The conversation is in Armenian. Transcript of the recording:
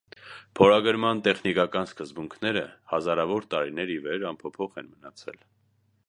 Փորագրման տեխնիկական սկզբունքները հազարավոր տարիներ ի վեր անփոփոխ են մնացել։